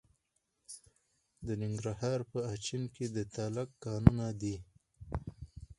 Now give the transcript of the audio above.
د ننګرهار په اچین کې د تالک کانونه دي.